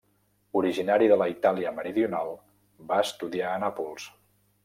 Originari de la Itàlia meridional, va estudiar a Nàpols.